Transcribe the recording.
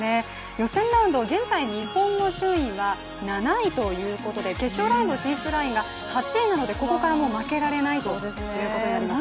予選ラウンド、現在日本の順位は７位ということで決勝ラウンド進出ラインが８位なのでここから負けられないということになりますね。